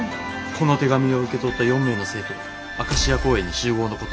「この手紙を受け取った４名の生徒はアカシア公園に集合のこと」。